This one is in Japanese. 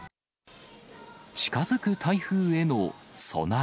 近づく台風への備え。